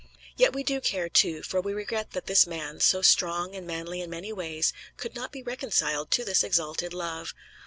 Yet we do care, too, for we regret that this man, so strong and manly in many ways, could not be reconciled to this exalted love.